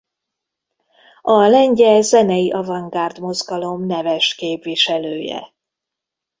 A lengyel zenei avantgárd mozgalom neves képviselője.